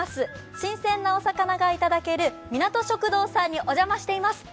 新鮮なお魚がいただけるみなと食堂さんにお邪魔しています。